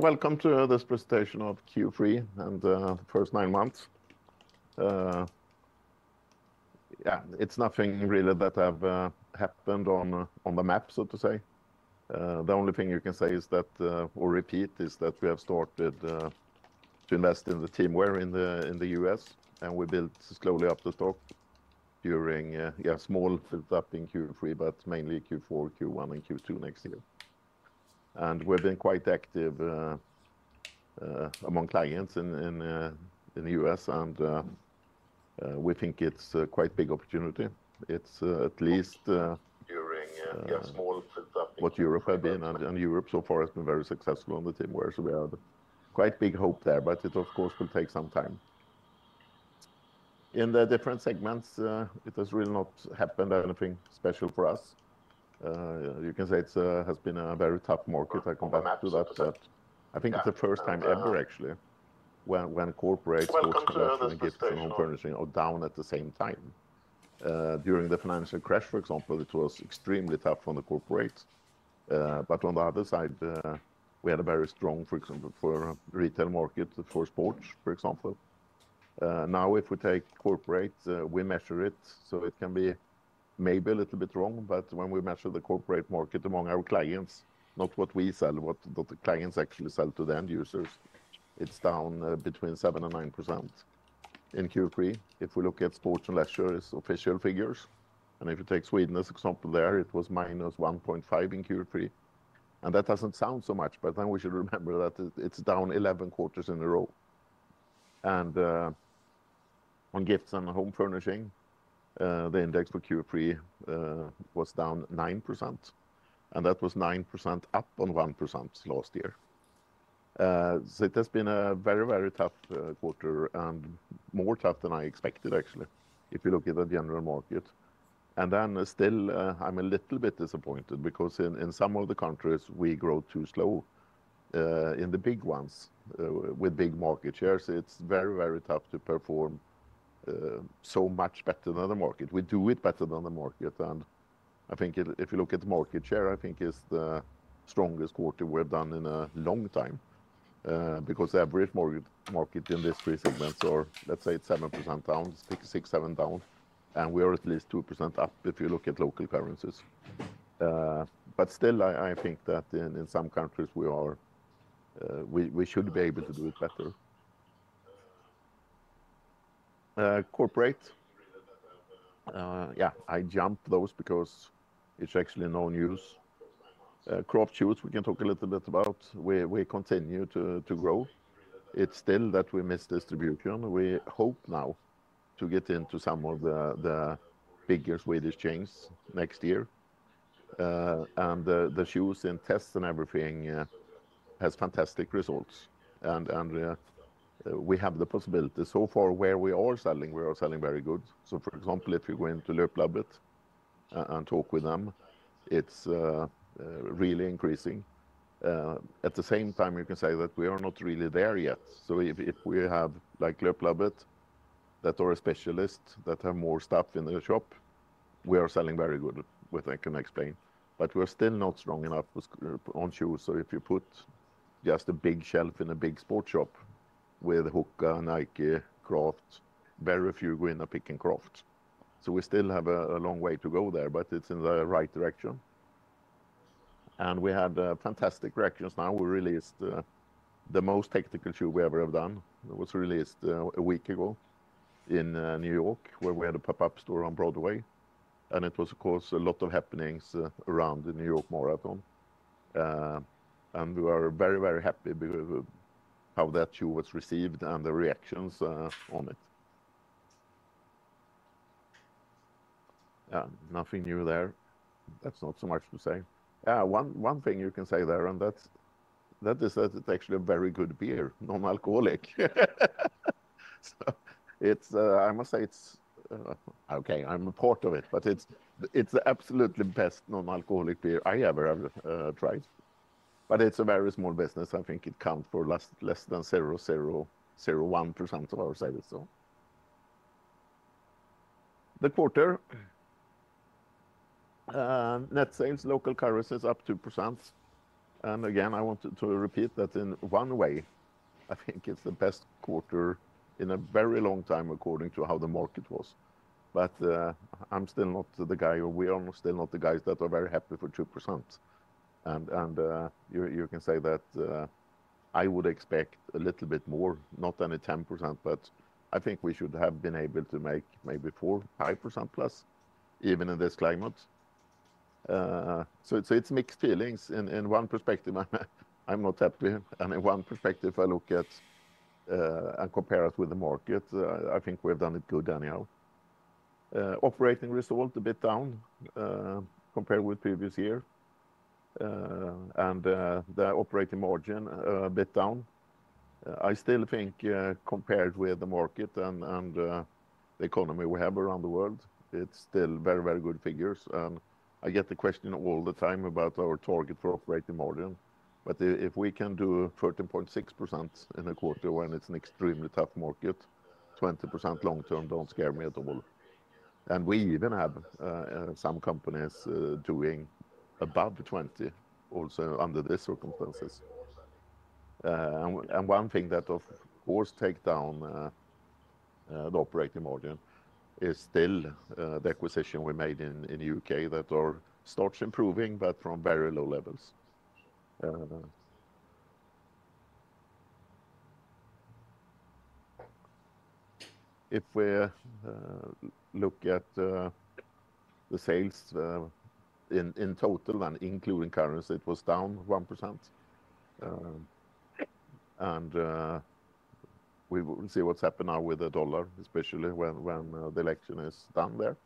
Welcome to this presentation of Q3 and the first nine months. Yeah, it's nothing really that have happened on the map, so to say. The only thing you can say is that, or repeat, is that we have started to invest in the teamwear in the US, and we built slowly up the stock during a small build-up in Q3, but mainly Q4, Q1, and Q2 next year. And we've been quite active among clients in the US, and we think it's a quite big opportunity. It's at least during a small build-up in Europe. And Europe so far has been very successful on the teamwear so weird. Quite big hope there, but it of course will take some time. In the different segments, it has really not happened anything special for us. You can say it has been a very tough market. I compare it to that. I think it's the first time ever, actually, when corporate, gift and home furnishing are down at the same time. During the financial crash, for example, it was extremely tough on the corporates, but on the other side, we had a very strong retail market for sports, for example. Now, if we take corporate, we measure it, so it can be maybe a little bit wrong, but when we measure the corporate market among our clients, not what we sell, what the clients actually sell to the end users, it's down between 7% and 9% in Q3. If we look at sports and leisure, it's official figures, and if you take Sweden as an example there, it was -1.5% in Q3, and that doesn't sound so much, but then we should remember that it's down 11 quarters in a row. On gift and home furnishing, the index for Q3 was down 9%. And that was 9% up on 1% last year. So it has been a very, very tough quarter and more tough than I expected, actually, if you look at the general market. And then still, I'm a little bit disappointed because in some of the countries, we grow too slow. In the big ones, with big market shares, it's very, very tough to perform so much better than the market. We do it better than the market. And I think if you look at the market share, I think it's the strongest quarter we've done in a long time because the average market in these three segments are, let's say, 7% down, 6%, 7% down. And we are at least 2% up if you look at local currencies. But still, I think that in some countries, we should be able to do it better. Corporate. Yeah, I jumped those because it's actually no news. Craft shoes, we can talk a little bit about. We continue to grow. It's still that we miss distribution. We hope now to get into some of the bigger Swedish chains next year. And the shoes and tests and everything has fantastic results. And we have the possibility. So far, where we are selling, we are selling very good. So for example, if you go into Löplabbet and talk with them, it's really increasing. At the same time, you can say that we are not really there yet. So if we have like Löplabbet that are specialists that have more stuff in the shop, we are selling very good, which I can explain. But we're still not strong enough on shoes. So if you put just a big shelf in a big sports shop with Hoka, Nike, Craft, very few going to pick and Craft. So we still have a long way to go there, but it's in the right direction. And we had fantastic reactions. Now we released the most technical shoe we ever have done. It was released a week ago in New York, where we had a pop-up store on Broadway. And it was, of course, a lot of happenings around the New York Marathon. And we were very, very happy with how that shoe was received and the reactions on it. Yeah, nothing new there. That's not so much to say. Yeah, one thing you can say there, and that is that it's actually a very good beer, non-alcoholic. I must say it's okay. I'm a part of it, but it's the absolutely best non-alcoholic beer I ever tried. But it's a very small business. I think it counts for less than 0.001% of our sales. The quarter, net sales, local currencies up 2%. And again, I want to repeat that in one way. I think it's the best quarter in a very long time according to how the market was. But I'm still not the guy, or we are still not the guys that are very happy for 2%. And you can say that I would expect a little bit more, not any 10%, but I think we should have been able to make maybe 4%-5% plus, even in this climate. So it's mixed feelings in one perspective. I'm not happy. And in one perspective, I look at and compare it with the market. I think we've done it good anyhow. Operating result a bit down compared with previous year and the operating margin a bit down. I still think compared with the market and the economy we have around the world, it's still very, very good figures and I get the question all the time about our target for operating margin but if we can do 13.6% in a quarter when it's an extremely tough market, 20% long-term don't scare me at all and we even have some companies doing above 20% also under these circumstances and one thing that, of course, takes down the operating margin is still the acquisition we made in the UK that starts improving, but from very low levels. If we look at the sales in total and including currency, it was down 1%. We will see what's happened now with the dollar, especially when the election is done there.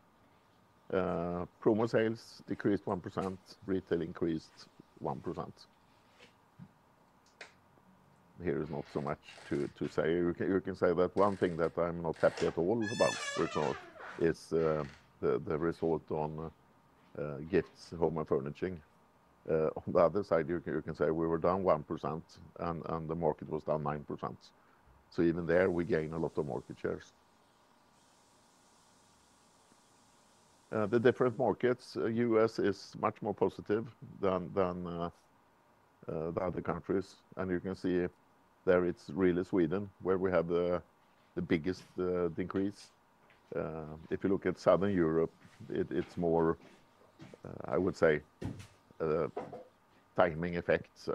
Promo sales decreased 1%, retail increased 1%. Here is not so much to say. You can say that one thing that I'm not happy at all about, for example, is the result on gifts, home and furnishing. On the other side, you can say we were down 1% and the market was down 9%. Even there, we gained a lot of market shares. The different markets, U.S. is much more positive than other countries. You can see there it's really Sweden where we have the biggest decrease. If you look at Southern Europe, it's more, I would say, timing effect.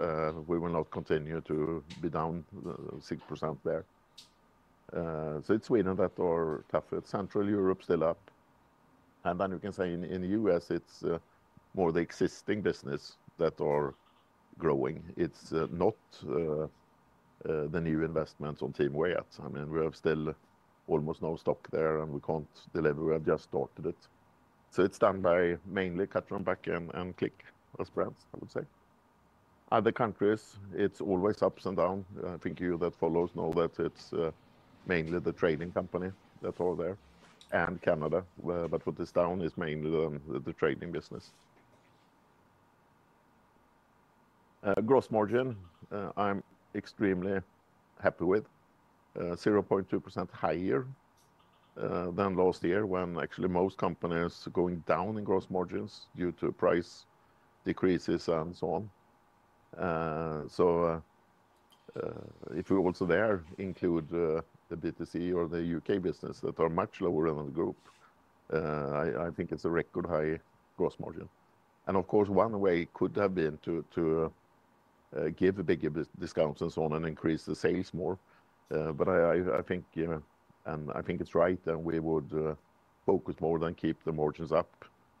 We will not continue to be down 6% there. It's Sweden that are tough. It's Central Europe still up. And then you can say in the US, it's more the existing business that are growing. It's not the new investments on teamwear. I mean, we have still almost no stock there and we can't deliver. We have just started it. So it's done by mainly Cutter & Buck and Clique as brands, I would say. Other countries, it's always ups and down. I think you that follow us know that it's mainly the trading company that are there and Canada. But what is down is mainly the trading business. Gross margin, I'm extremely happy with. 0.2% higher than last year when actually most companies are going down in gross margins due to price decreases and so on. So if we also there include the B2C or the UK business that are much lower in the group, I think it's a record high gross margin. Of course, one way could have been to give bigger discounts and so on and increase the sales more. I think, and I think it's right, that we would focus more than keep the margins up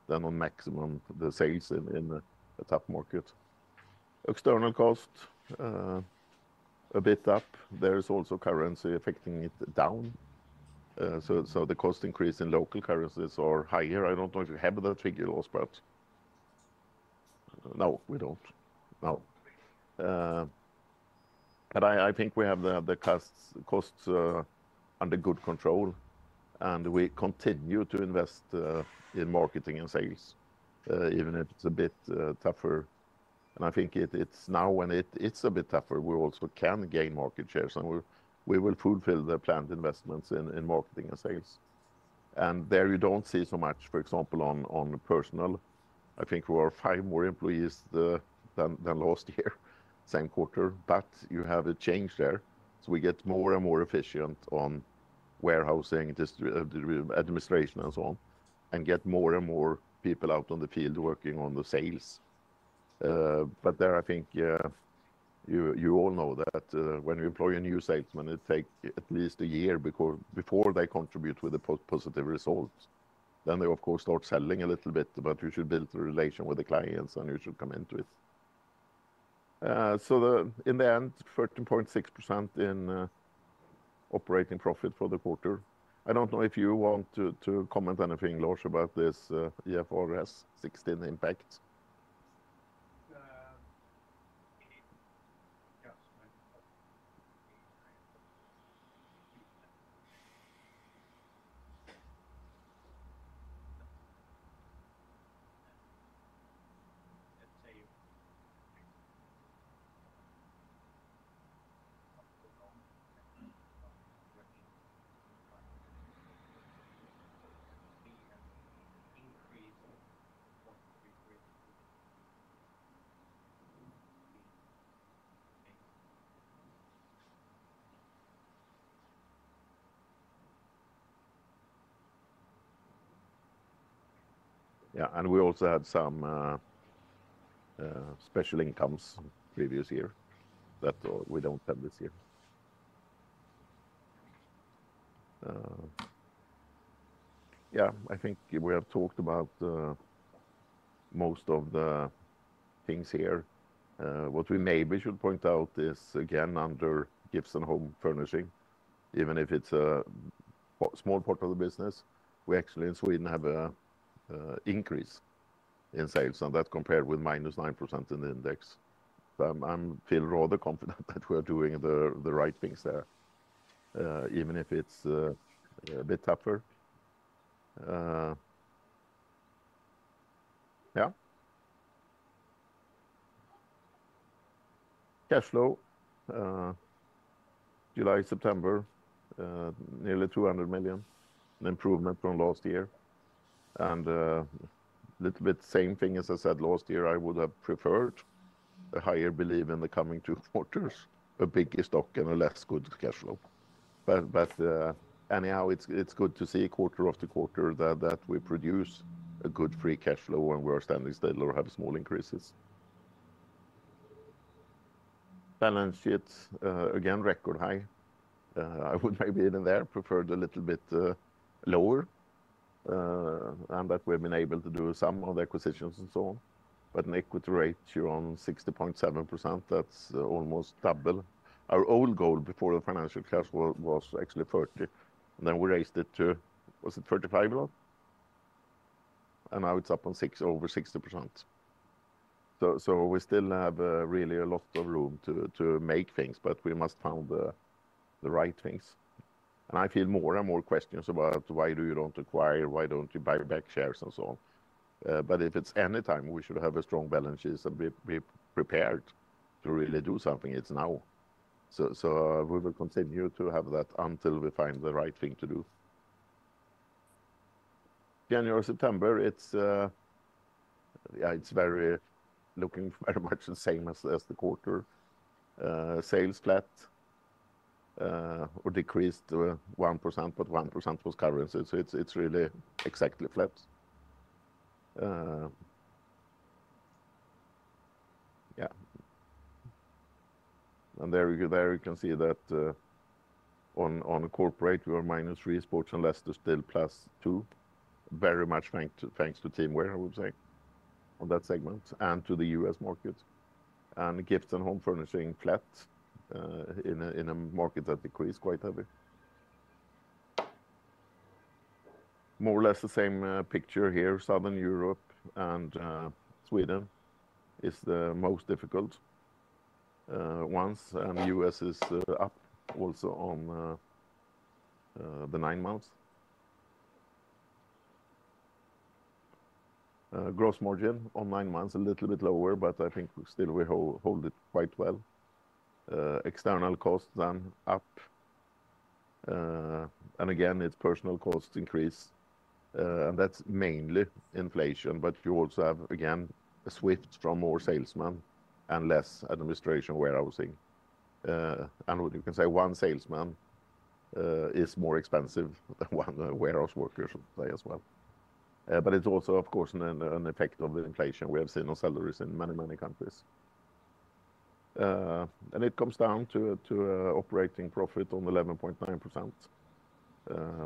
than on maximum the sales in a tough market. External costs a bit up. There is also currency affecting it down. So the cost increase in local currencies are higher. I don't know if you have the figure loss, but no, we don't. No. I think we have the costs under good control. We continue to invest in marketing and sales, even if it's a bit tougher. I think it's now when it's a bit tougher, we also can gain market shares. We will fulfill the planned investments in marketing and sales. There you don't see so much, for example, on personnel. I think we are five more employees than last year, same quarter, but you have a change there. So we get more and more efficient on warehousing, administration, and so on, and get more and more people out on the field working on the sales. But there I think you all know that when you employ a new salesman, it takes at least a year before they contribute with a positive result. Then they, of course, start selling a little bit, but you should build a relation with the clients and you should come into it. So in the end, 13.6% in operating profit for the quarter. I don't know if you want to comment anything, Lars, about this IFRS 16 impact. Yeah, and we also had some special incomes previous year that we don't have this year. Yeah, I think we have talked about most of the things here. What we maybe should point out is again under gifts and home furnishing, even if it's a small part of the business, we actually in Sweden have an increase in sales and that compared with minus 9% in the index. So I feel rather confident that we're doing the right things there, even if it's a bit tougher. Yeah. Cash flow, July, September, nearly 200 million, an improvement from last year. And a little bit same thing as I said last year, I would have preferred a higher belief in the coming two quarters, a bigger stock and a less good cash flow. But anyhow, it's good to see quarter after quarter that we produce a good free cash flow when we're standing still or have small increases. Balance sheet, again, record high. I would maybe even there preferred a little bit lower. That we've been able to do some of the acquisitions and so on. But an equity ratio of 60.7%, that's almost double. Our old goal before the free cash flow was actually 30. And then we raised it to, was it 35 or so? And now it's up to over 60%. So we still have really a lot of room to make things, but we must find the right things. And I feel more and more questions about why don't you acquire, why don't you buy back shares and so on. But if there's anytime we should have a strong balance sheet and be prepared to really do something, it's now. So we will continue to have that until we find the right thing to do. January to September, it's looking very much the same as the quarter. Sales flat or decreased 1%, but that 1% was currency. It's really exactly flat. Yeah. There you can see that on corporate, we are minus three sports and leisure still plus two. Very much thanks to teamwear, I would say, on that segment and to the U.S. market. Gifts and home furnishing flat in a market that decreased quite heavy. More or less the same picture here. Southern Europe and Sweden is the most difficult ones. The U.S. is up also on the nine months. Gross margin on nine months a little bit lower, but I think still we hold it quite well. External costs then up. Again, it's personnel costs increase. That's mainly inflation, but you also have again a shift from more salesmen and less administration warehousing. You can say one salesman is more expensive than one warehouse worker, should say as well. But it's also, of course, an effect of the inflation we have seen on salaries in many, many countries. And it comes down to operating profit on 11.9%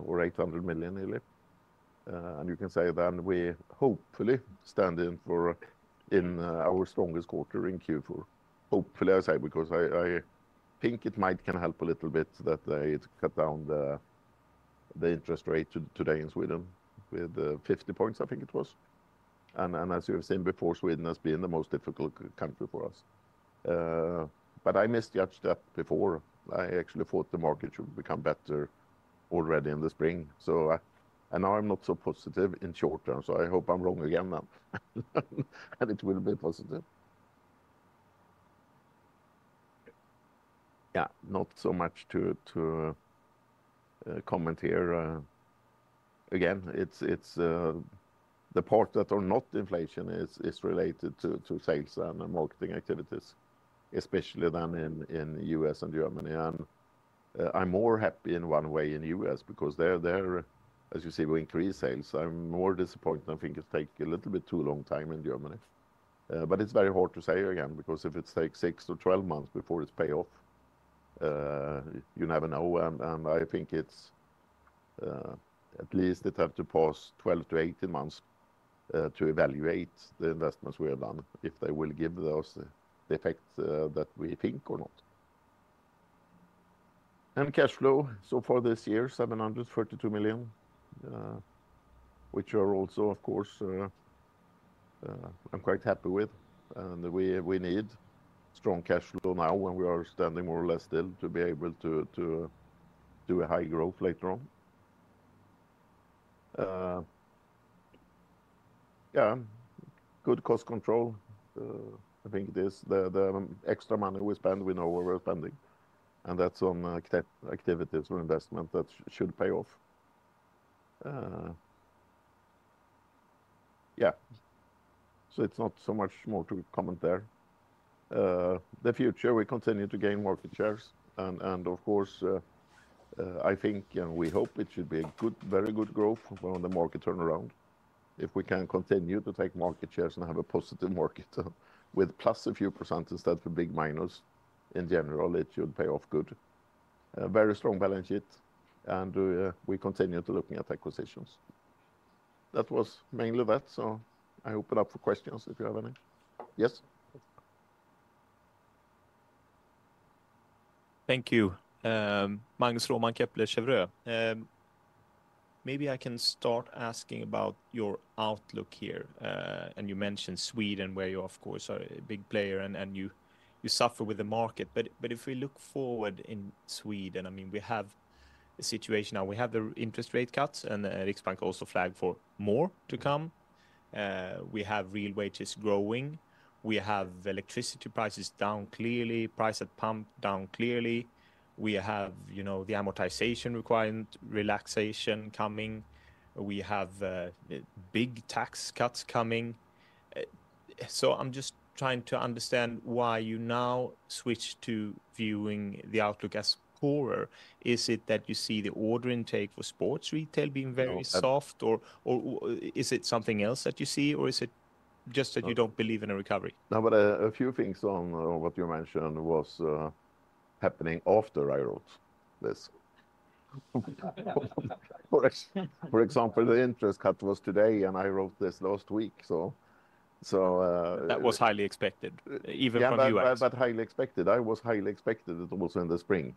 or 800 million nearly SEK. And you can say then we hopefully stand in for in our strongest quarter in Q4. Hopefully, I say because I think it might can help a little bit that they cut down the interest rate today in Sweden with 50 basis points, I think it was. And as you have seen before, Sweden has been the most difficult country for us. But I misjudged that before. I actually thought the market should become better already in the spring. So now I'm not so positive in short term. So I hope I'm wrong again then. And it will be positive. Yeah, not so much to comment here. Again, it's the part that are not inflation is related to sales and marketing activities, especially then in the U.S. and Germany. I'm more happy in one way in the U.S. because there, as you see, we increase sales. I'm more disappointed. I think it takes a little bit too long time in Germany. But it's very hard to say again because if it takes 6-12 months before it's payoff, you never know. And I think it's at least it has to pass 12-18 months to evaluate the investments we have done if they will give us the effect that we think or not. And cash flow so far this year, 732 million, which are also, of course, I'm quite happy with. We need strong cash flow now when we are standing more or less still to be able to do a high growth later on. Yeah, good cost control. I think it is the extra money we spend, we know where we're spending. And that's on activities or investment that should pay off. Yeah. So it's not so much more to comment there. The future, we continue to gain market shares. And of course, I think and we hope it should be a good, very good growth when the market turns around. If we can continue to take market shares and have a positive market with plus a few % instead of a big minus in general, it should pay off good. Very strong balance sheet. And we continue to look at acquisitions. That was mainly that. So I open up for questions if you have any. Yes. Thank you. Magnus Råman, Kepler Cheuvreux. Maybe I can start asking about your outlook here. You mentioned Sweden where you're, of course, a big player and you suffer with the market. But if we look forward in Sweden, I mean, we have a situation now. We have the interest rate cuts and Riksbank also flagged for more to come. We have real wages growing. We have electricity prices down clearly, price at pump down clearly. We have the amortization requirement relaxation coming. We have big tax cuts coming. So I'm just trying to understand why you now switch to viewing the outlook as poorer. Is it that you see the order intake for sports retail being very soft or is it something else that you see or is it just that you don't believe in a recovery? No, but a few things on what you mentioned were happening after I wrote this. For example, the interest cut was today and I wrote this last week That was highly expected, even from you. But highly expected. I highly expected it also in the spring,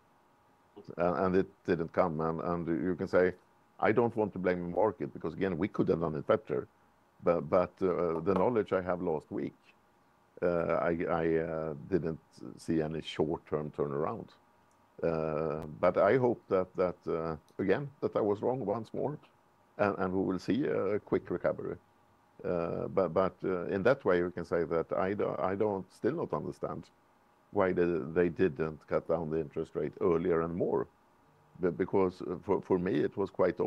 and it didn't come, and you can say I don't want to blame the market because again we could have done it better, but the knowledge I had last week, I didn't see any short-term turnaround. But I hope that again that I was wrong once more, and we will see a quick recovery. But in that way, you can say that I still don't understand why they didn't cut down the interest rate earlier and more. Because for me, it was quite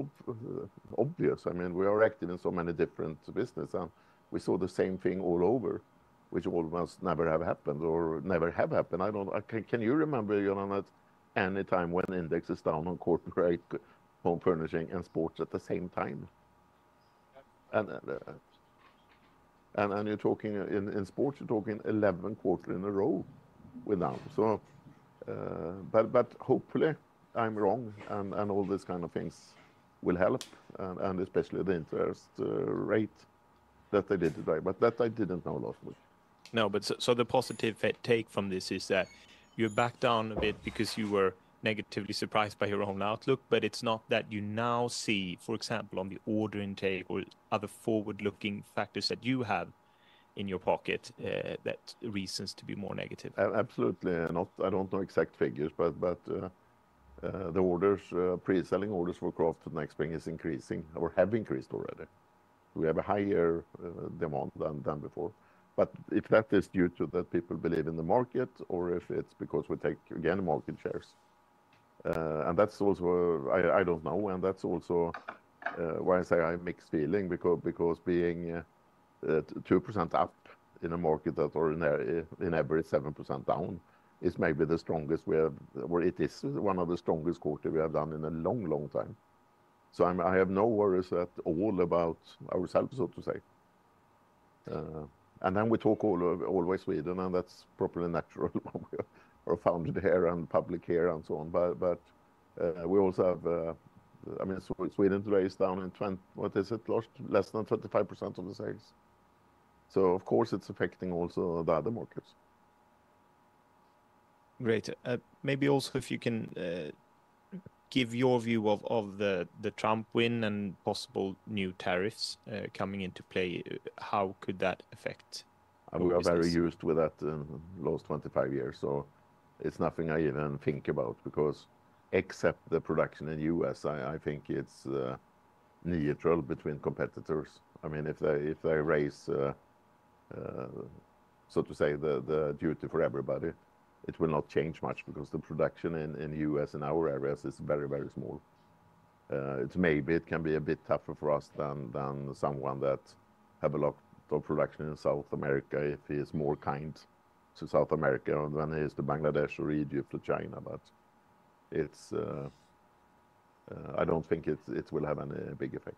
obvious. I mean, we are active in so many different businesses. And we saw the same thing all over, which almost never have happened or never have happened. I don't know. Can you remember any time when index is down on corporate, home furnishing and sports at the same time? And you're talking in sports, you're talking 11 quarters in a row without. But hopefully I'm wrong and all these kind of things will help. And especially the interest rate that they did today. But that I didn't know last week. No, but so the positive take from this is that you're back down a bit because you were negatively surprised by your own outlook. But it's not that you now see, for example, on the order intake or other forward-looking factors that you have in your pocket that reasons to be more negative. Absolutely not. I don't know exact figures, but the orders, pre-selling orders for Craft next spring is increasing or have increased already. We have a higher demand than before. But if that is due to that people believe in the market or if it's because we take again market shares. And that's also, I don't know. And that's also why I say I have mixed feeling because being 2% up in a market that ordinarily in every 7% down is maybe the strongest we have, or it is one of the strongest quarters we have done in a long, long time. So I have no worries at all about ourselves, so to say. And then we talk all over Sweden and that's probably natural when we are founded here and public here and so on. But we also have, I mean, Sweden today is down in, what is it, less than 25% of the sales. So of course, it's affecting also the other markets. Great. Maybe also if you can give your view of the Trump win and possible new tariffs coming into play, how could that affect? We are very used with that in the last 25 years. So it's nothing I even think about because except the production in the U.S., I think it's neutral between competitors. I mean, if they raise, so to say, the duty for everybody, it will not change much because the production in the U.S. and our areas is very, very small. It's maybe it can be a bit tougher for us than someone that has a lot of production in South America if he is more kind to South America than he is to Bangladesh or Egypt or China. But I don't think it will have any big effect.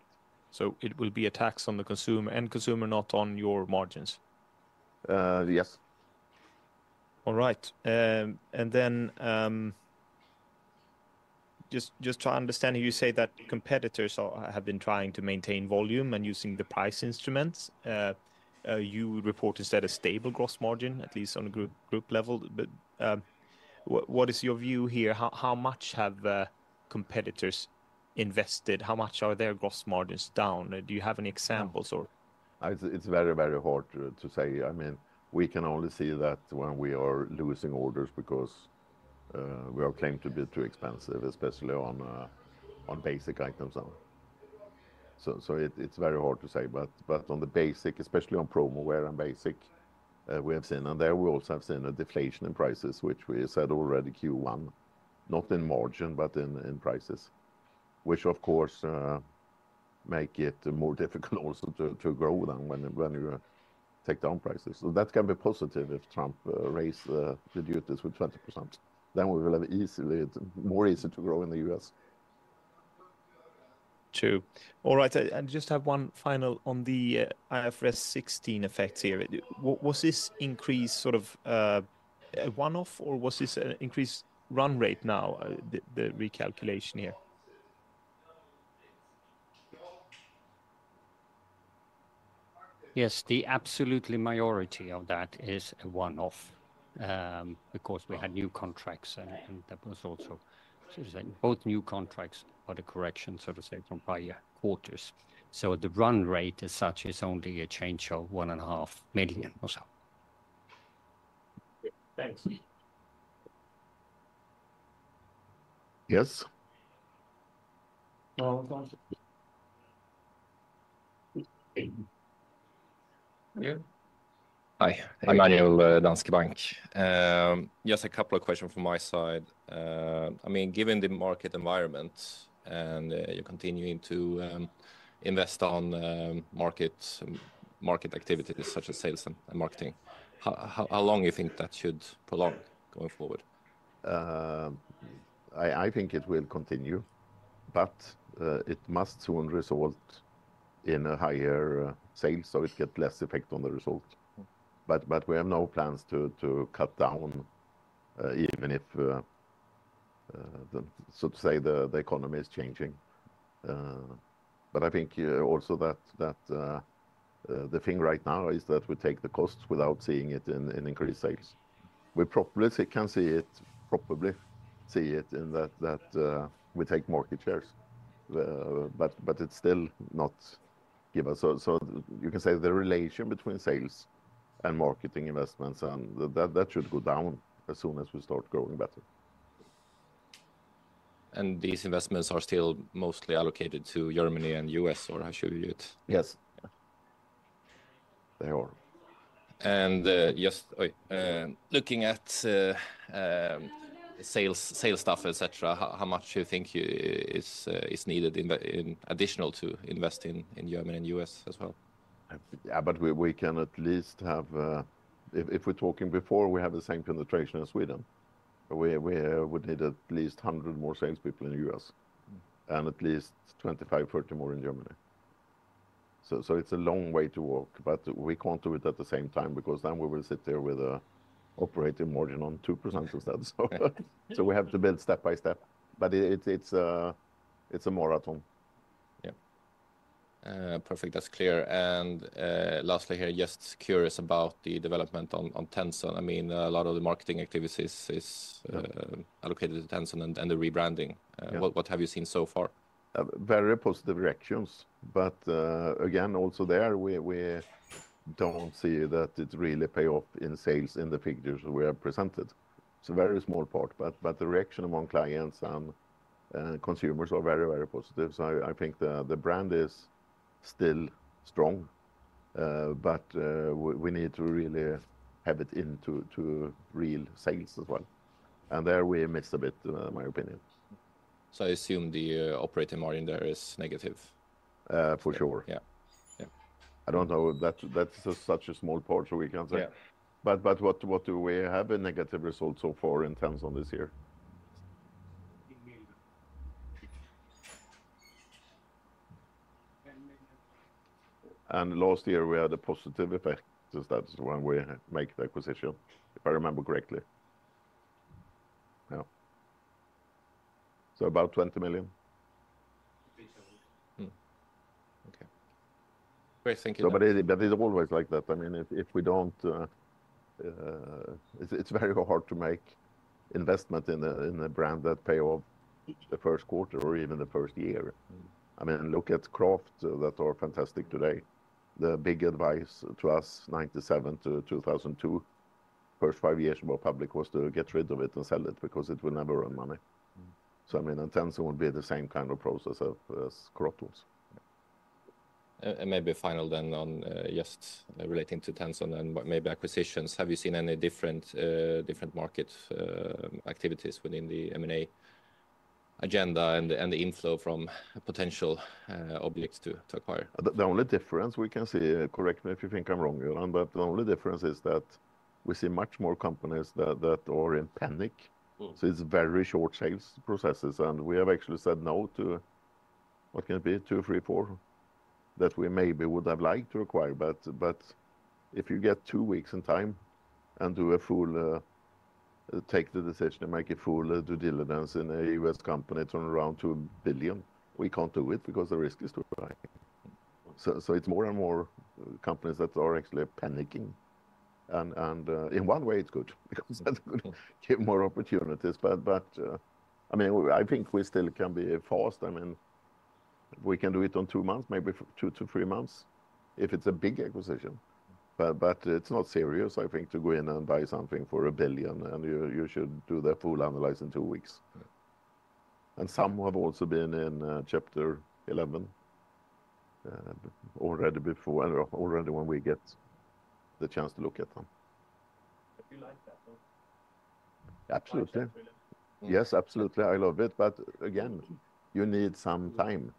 So it will be a tax on the consumer and consumer not on your margins? Yes. All right. And then just to understand, you say that competitors have been trying to maintain volume and using the price instruments. You report instead a stable gross margin, at least on a group level. But what is your view here? How much have competitors invested? How much are their gross margins down? Do you have any examples? It's very, very hard to say. I mean, we can only see that when we are losing orders because we are claimed to be too expensive, especially on basic items. So it's very hard to say. But on the basic, especially on promo wear and basic, we have seen. And there we also have seen a deflation in prices, which we said already Q1, not in margin, but in prices, which of course make it more difficult also to grow than when you take down prices. So that can be positive if Trump raised the duties with 20%. Then we will have easily, more easy to grow in the US. True. All right. And just have one final on the IFRS 16 effects here. Was this increase sort of a one-off or was this an increased run rate now, the recalculation here? Yes, the absolute majority of that is a one-off because we had new contracts and that was also, so to say, both new contracts or the correction, so to say, from prior quarters. So the run rate as such is only a change of 1.5 million or so. Thanks. Yes. Hi, I'm Anni, Danske Bank. Yes, a couple of questions from my side. I mean, given the market environment and you're continuing to invest on market activities such as sales and marketing, how long do you think that should prolong going forward? I think it will continue, but it must soon result in a higher sale, so it gets less effect on the result. But we have no plans to cut down even if, so to say, the economy is changing. But I think also that the thing right now is that we take the costs without seeing it in increased sales. We probably can see it, probably see it in that we take market shares. But it's still not given us. So you can say the relation between sales and marketing investments, and that should go down as soon as we start growing better. And these investments are still mostly allocated to Germany and US, or how should we view it? Yes. They are. And just looking at sales stuff, etc., how much do you think is needed in additional to invest in Germany and US as well? But we can at least have, if we're talking before, we have the same penetration as Sweden. We would need at least 100 more salespeople in the US and at least 25-30 more in Germany. It's a long way to walk, but we can't do it at the same time because then we will sit there with an operating margin on 2% of that. We have to build step by step. But it's a marathon. Yeah. Perfect. That's clear. And lastly here, just curious about the development on Tenson. I mean, a lot of the marketing activities is allocated to Tenson and the rebranding. What have you seen so far? Very positive reactions. But again, also there, we don't see that it really pay off in sales in the figures we have presented. It's a very small part. But the reaction among clients and consumers are very, very positive. So I think the brand is still strong. But we need to really have it into real sales as well. And there we miss a bit, in my opinion. So I assume the operating margin there is negative? For sure. Yeah. I don't know. That's such a small part, so we can't say. But what do we have a negative result so far in Tenson this year? And last year, we had a positive effect. So that's when we made the acquisition, if I remember correctly. Yeah. So about 20 million SEK. Okay. Great. Thank you. But it's always like that. I mean, if we don't, it's very hard to make investment in a brand that pays off the first quarter or even the first year. I mean, look at Craft that are fantastic today. The big advice to us, 1997 to 2002, first five years before public was to get rid of it and sell it because it will never earn money. So I mean, and Tenson would be the same kind of process as Craft. And maybe final then on just relating to Tenson and maybe acquisitions. Have you seen any different market activities within the M&A agenda and the inflow from potential objects to acquire? The only difference we can see, correct me if you think I'm wrong, Goran, but the only difference is that we see much more companies that are in panic. So it's very short sales processes. And we have actually said no to what can be two, three, four that we maybe would have liked to acquire. But if you get two weeks in time and do a full, take the decision and make a full due diligence in a U.S. company to earn around 2 billion, we can't do it because the risk is too high. So it's more and more companies that are actually panicking. And in one way, it's good because that gives more opportunities. I mean, I think we still can be fast. I mean, we can do it in two months, maybe two to three months if it's a big acquisition. It's not serious, I think, to go in and buy something for 1 billion. You should do the full analysis in two weeks. Some have also been in Chapter 11 already before, and already when we get the chance to look at them. Absolutely. Yes, absolutely. I love it. Again, you need some time,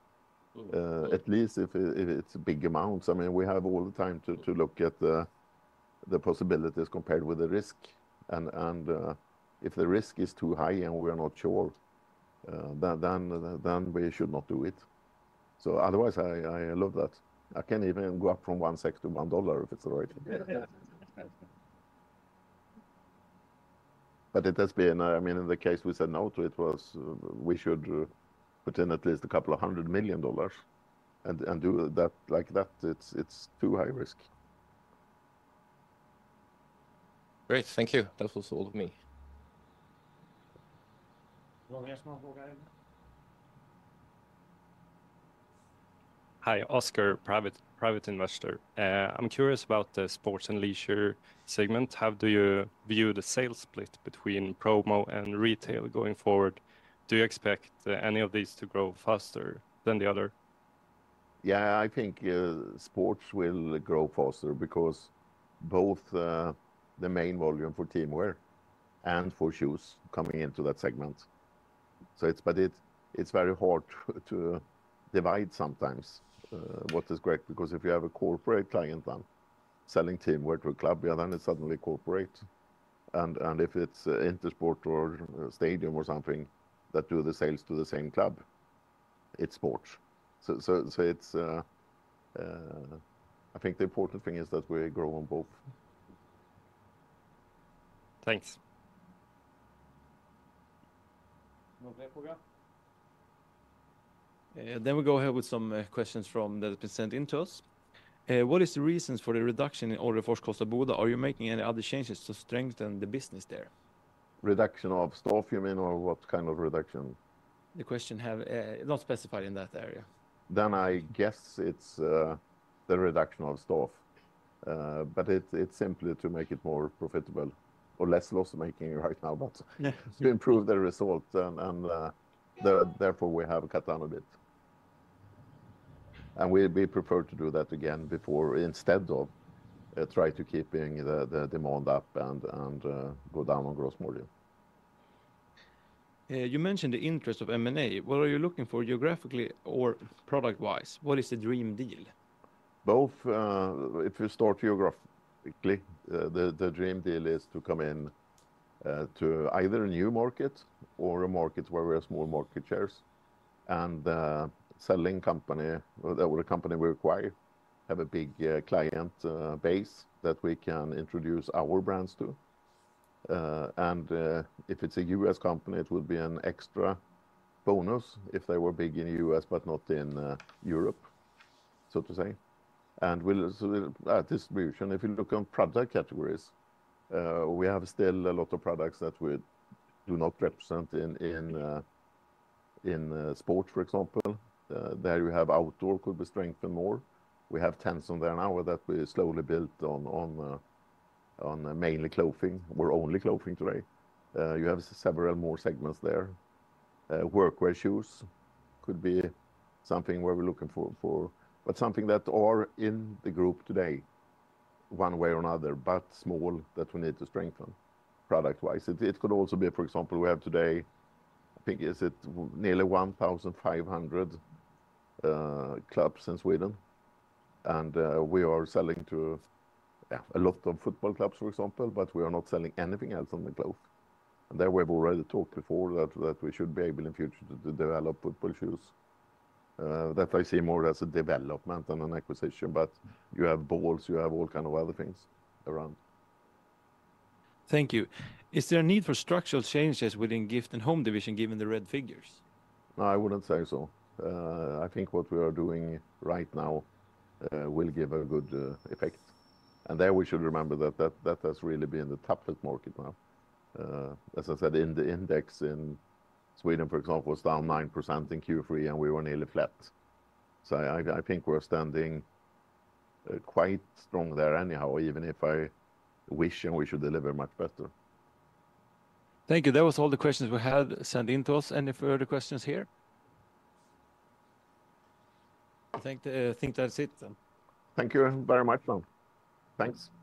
at least if it's big amounts. I mean, we have all the time to look at the possibilities compared with the risk. If the risk is too high and we're not sure, then we should not do it. Otherwise, I love that. I can even go up from one SEK to $1 if it's the right thing. But it has been, I mean, in the case we said no to it, we should put in at least $200 million and do that like that. It's too high risk. Great. Thank you. That was all of me. Hi, Oscar, private investor. I'm curious about the sports and leisure segment. How do you view the sales split between promo and retail going forward? Do you expect any of these to grow faster than the other? Yeah, I think sports will grow faster because both the main volume for teamwear and for shoes coming into that segment. But it's very hard to divide sometimes what is correct because if you have a corporate client then selling teamwear to a club, then it's suddenly corporate. And if it's Intersport or Stadium or something that do the sales to the same club, it's sports. So I think the important thing is that we grow on both. Thanks. Then we'll go ahead with some questions from the present investors. What is the reason for the reduction in orders for Kosta Boda? Are you making any other changes to strengthen the business there? Reduction of staff, you mean, or what kind of reduction? The question has not specified in that area. Then I guess it's the reduction of staff. But it's simply to make it more profitable or less loss-making right now, but to improve the result. And therefore, we have cut down a bit. And we prefer to do that again before instead of trying to keep the demand up and go down on gross margin. You mentioned the interest in M&A. What are you looking for geographically or product-wise? What is the dream deal? Both. If you start geographically, the dream deal is to come in to either a new market or a market where we have small market shares. And selling company or the company we acquire have a big client base that we can introduce our brands to. And if it's a U.S. company, it would be an extra bonus if they were big in the U.S. but not in Europe, so to say. And distribution, if you look on product categories, we have still a lot of products that we do not represent in sports, for example. There you have outdoor could be strengthened more. We have Tenson there now that we slowly built on mainly clothing. We're only clothing today. You have several more segments there. Workwear shoes could be something where we're looking for, but something that are in the group today one way or another, but small that we need to strengthen product-wise. It could also be, for example, we have today, I think it's nearly 1,500 clubs in Sweden. We are selling to a lot of football clubs, for example, but we are not selling anything else on the clothes. There we have already talked before that we should be able in future to develop football shoes. That I see more as a development than an acquisition. But you have balls, you have all kinds of other things around. Thank you. Is there a need for structural changes within gift and home division given the red figures? No, I wouldn't say so. I think what we are doing right now will give a good effect. And there we should remember that that has really been the top of the market now. As I said, in the index in Sweden, for example, was down 9% in Q3 and we were nearly flat. So I think we're standing quite strong there anyhow, even if I wish and we should deliver much better. Thank you. That was all the questions we had sent in to us. Any further questions here? I think that's it then. Thank you very much then. Thanks.